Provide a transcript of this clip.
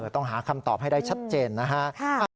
ต้องหาคำตอบให้ได้ชัดเจนนะฮะ